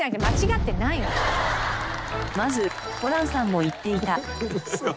まずホランさんも言っていた。